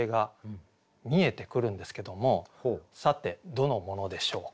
さてどのモノでしょうか。